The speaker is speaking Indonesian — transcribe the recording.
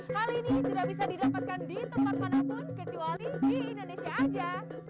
hal ini tidak bisa didapatkan di tempat manapun kecuali di indonesia aja